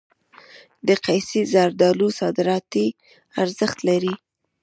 د قیسی زردالو صادراتي ارزښت لري.